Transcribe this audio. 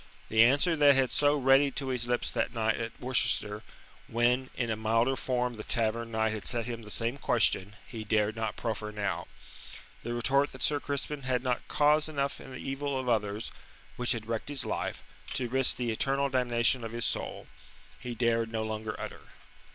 The answer that had been so ready to his lips that night at Worcester, when, in a milder form the Tavern Knight had set him the same question, he dared not proffer now. The retort that Sir Crispin had not cause enough in the evil of others, which had wrecked his life, to risk the eternal damnation of his soul, he dared no longer utter.